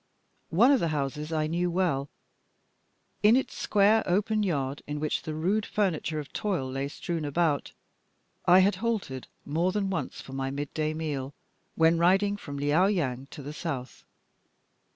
One of the houses I knew well; in its square open yard, in which the rude furniture of toil lay strewn about, I had halted more than once for my midday meal, when riding from Liao yang to the South.